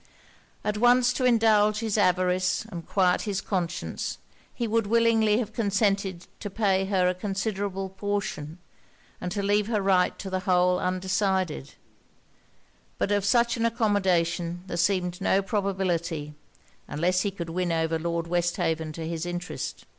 At once to indulge his avarice and quiet his conscience, he would willingly have consented to pay her a considerable portion, and to leave her right to the whole undecided; but of such an accommodation there seemed no probability, unless he could win over Lord Westhaven to his interest.